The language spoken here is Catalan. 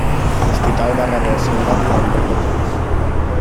L'Hospital va rebre el seu nom durant molt de temps.